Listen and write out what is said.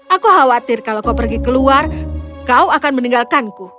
aku khawatir kalau kau pergi keluar kau akan meninggalkanku